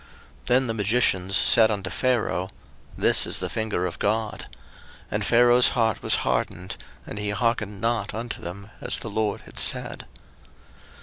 02:008:019 Then the magicians said unto Pharaoh, This is the finger of God: and Pharaoh's heart was hardened, and he hearkened not unto them; as the LORD had said.